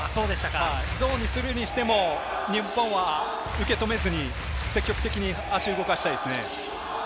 ゾーンをするにしても、日本は受け止めずに積極的に足を動かしたいですね。